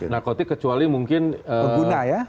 narkotik kecuali mungkin guna ya